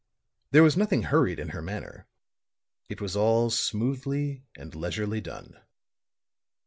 There was nothing hurried in her manner; it was all smoothly and leisurely done.